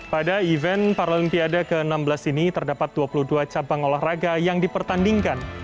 pada event paralimpiade ke enam belas ini terdapat dua puluh dua cabang olahraga yang dipertandingkan